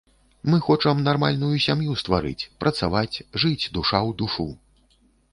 Мы хочам нармальную сям'ю стварыць, працаваць, жыць душа ў душу.